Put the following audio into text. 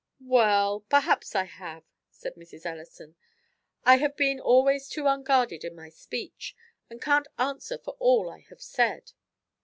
"Well, perhaps I have," said Mrs. Ellison. "I have been always too unguarded in my speech, and can't answer for all I have said."